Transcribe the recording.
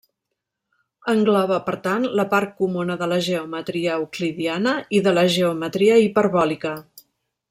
Engloba, per tant, la part comuna de la geometria euclidiana i de la geometria hiperbòlica.